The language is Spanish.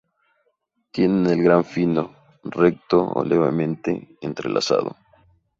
Tiene el grano fino, recto o levemente entrelazado.